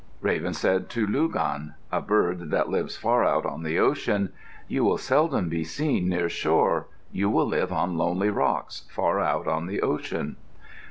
Raven said to Lugan, a bird that lives far out on the ocean, "You will seldom be seen near shore. You will live on lonely rocks, far out on the ocean."